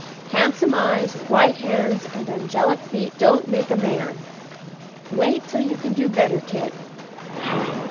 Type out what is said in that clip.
"Handsome eyes, white hands, and angelic feet don't make a man. Wait till you can do better, Kit."